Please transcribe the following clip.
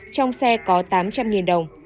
trong xe có tám trăm linh đồng